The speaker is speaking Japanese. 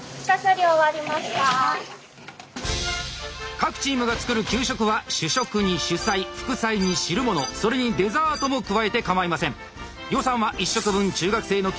各チームが作る給食は主食に主菜副菜に汁物それにデザートも加えてかまいません。